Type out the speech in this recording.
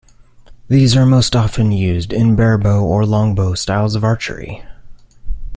These are most often used in barebow or longbow styles of archery.